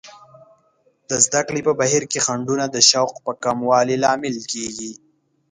د زده کړې په بهیر کې خنډونه د شوق په کموالي لامل کیږي.